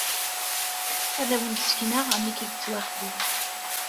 Ad wen-d-sekneɣ amek i yettwaxdem.